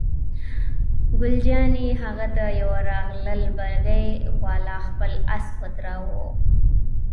ګل جانې: هغه د یوه راغلل، بګۍ والا خپل آس ودراوه.